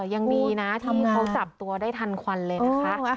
ยังดีนะที่เขาจับตัวได้ทันควันเลยนะคะ